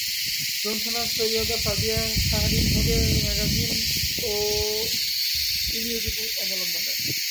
গ্রন্থনা সৈয়দা সাদিয়া শাহরীনভোগ ম্যাগাজিন ও E news অবলম্বনে